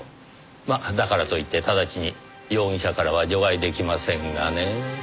まあだからといって直ちに容疑者からは除外出来ませんがねぇ。